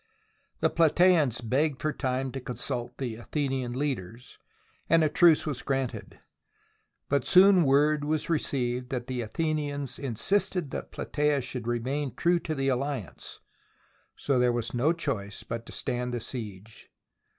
The Platasans begged for time to consult the Athenian leaders, and a truce was granted. But soon word was received that the Athenians insisted that Plataea should remain true to the alliance, so there was no choice but to stand the siege.